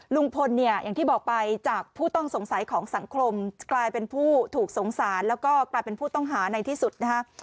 ลุงพลเนี่ยอย่างที่บอกไปจากผู้ต้องสงสัยของสังคมกลายเป็นผู้ถูกสงสารแล้วก็กลายเป็นผู้ต้องหาในที่สุดนะคะ